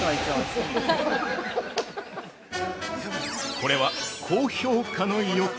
◆これは高評価の予感。